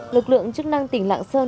lực lượng chức năng tỉnh lạng sơn